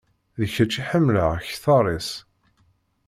D kečč i ḥemmleɣ kteṛ-is.